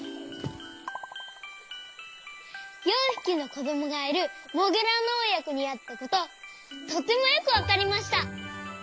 ４ひきのこどもがいるモグラのおやこにあったこととてもよくわかりました。